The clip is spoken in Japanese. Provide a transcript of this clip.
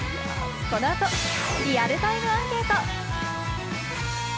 この後、リアルタイムアンケート。